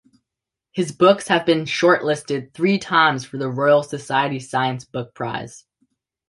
His books have been short-listed three times for the Royal Society science book prize.